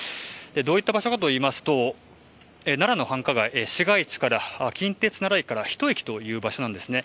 どういった場所かといいますと奈良の繁華街、市街地から近鉄奈良駅から１駅の場所です。